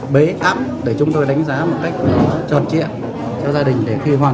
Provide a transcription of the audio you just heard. bé ấm để chúng tôi đánh giá một cách tròn trịa cho gia đình